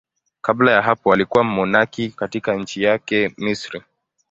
Kabla ya hapo alikuwa mmonaki katika nchi yake, Misri.